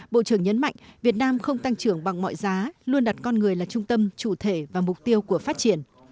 bộ trưởng nhấn mạnh việt nam không tăng trưởng bằng mọi giá luôn đặt con người là trung tâm chủ thể và mục tiêu của phát triển